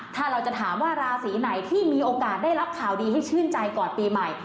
ถ้าเราจะถามว่าราศีไหนที่มีโอกาสได้รับข่าวดีให้ชื่นใจก่อนปีใหม่